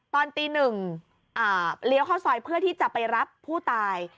ตอนตีหนึ่งเลี้ยวเข้าซอยเพื่อที่จะไปรับผู้ตาย